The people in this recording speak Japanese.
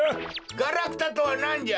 ガラクタとはなんじゃ！